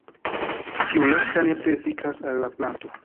Tiu lasta ne plu efikas al la planto.